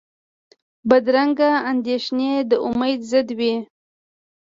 بدرنګه اندېښنې د امید ضد وي